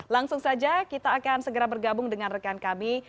langsung saja kita akan segera bergabung dengan rekan kami